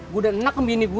gue udah enak kembini gue